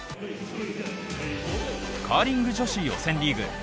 カーリング女子予選リーグ。